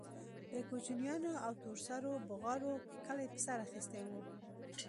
د کوچنيانو او تور سرو بوغارو کلى په سر اخيستى و.